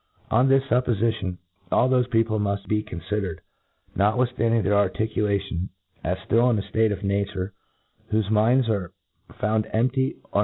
On this fuppofition, all thofe people muft be confidered^ notwithftanding their articulation, as ftill in a ftate of nature, whofe minds, are found empty, or nearly PREFACE.